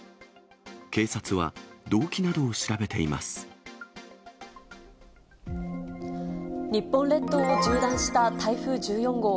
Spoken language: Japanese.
警察は、日本列島を縦断した台風１４号。